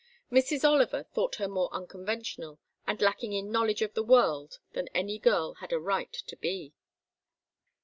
Mrs. Oliver thought her more unconventional and lacking in knowledge of the world than any girl had a right to be.